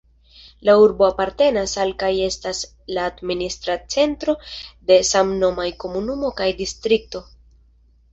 La urbo apartenas al kaj estas la administra centro de samnomaj komunumo kaj distrikto.